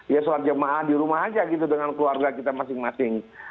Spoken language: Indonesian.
ya sholat jemaah di rumah aja gitu dengan keluarga kita masing masing